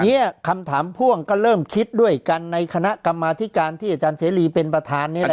คำถามพ่วงก็เริ่มคิดด้วยกันในคณะกรรมาธิการที่อาจารย์เสรีเป็นประธานนี่แหละ